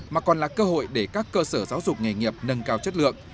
mà còn là cơ hội để các cơ sở giáo dục nghề nghiệp nâng cao chất lượng